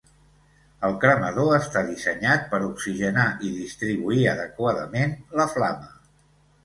El cremador està dissenyat per oxigenar i distribuir adequadament la flama.